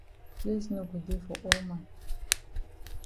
Place no go dey for all man.